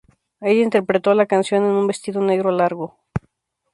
Ella interpretó la canción en un vestido negro largo.